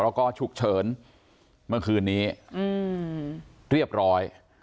แล้วก็ฉุกเฉินเมื่อคืนนี้เรียบร้อย